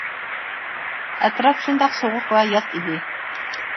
ئەتراپ شۇنداق سوغۇق ۋە يات ئىدى.